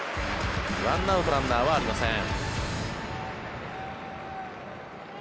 １アウト、ランナーありません。